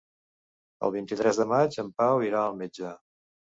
El vint-i-tres de maig en Pau irà al metge.